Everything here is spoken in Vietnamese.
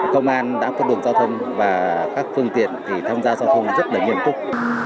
công an đã phân luồng giao thông và các phương tiện tham gia giao thông rất nghiêm túc